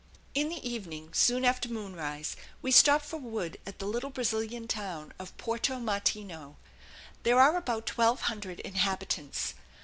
In the evening, soon after moonrise, we stopped for wood at the little Brazilian town of Porto Martinho. There are about twelve hundred inhabitants.